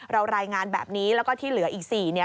รายงานแบบนี้แล้วก็ที่เหลืออีก๔เนี่ย